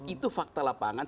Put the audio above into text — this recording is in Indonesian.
itu fakta lapangan